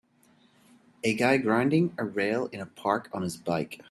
A guy grinding a rail in a park on his bike